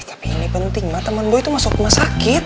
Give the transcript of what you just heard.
tapi ini penting teman bu itu masuk rumah sakit